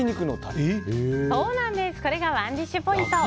これがＯｎｅＤｉｓｈポイント。